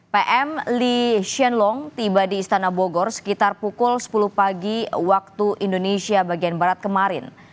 pm lee shen long tiba di istana bogor sekitar pukul sepuluh pagi waktu indonesia bagian barat kemarin